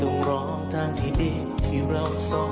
โอ้โหขอบคุณครับ